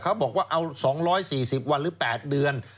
เขาบอกว่าเอา๒๔๐วันหรือ๘เดือน